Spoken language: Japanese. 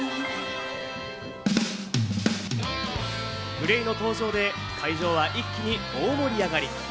ＧＬＡＹの登場で会場は一気に大盛り上がり！